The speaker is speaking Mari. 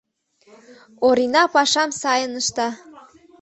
— Орина пашам сайын ышта.